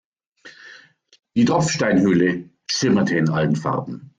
Die Tropfsteinhöhle schimmerte in allen Farben.